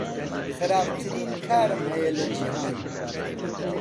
خراپترین کارم هەیە لە جیهان.